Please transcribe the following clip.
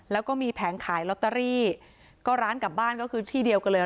แล้วก็มีแผงขายลอตเตอรี่ก็ร้านกลับบ้านก็คือที่เดียวกันเลย